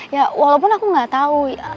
ya walaupun aku nggak tahu